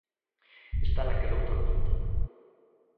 Está naqueloutra punta